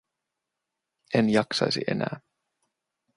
En jaksaisi enää.